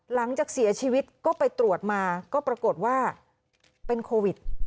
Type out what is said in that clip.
หลังจากเสียชีวิตก็ไปตรวจมาก็ปรากฏว่าเป็นโควิด